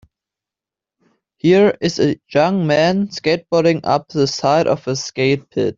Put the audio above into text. Here is a young man skateboarding up the side of a skate pit.